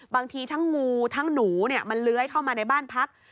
บางทีทั้งงูทั้งหนูมันเลื้อยเข้ามาในบ้านพัก